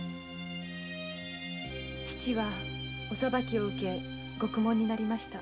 父はお裁きを受け獄門になりました。